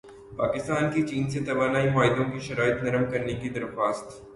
پاکستان کی چین سے توانائی معاہدوں کی شرائط نرم کرنے کی درخواست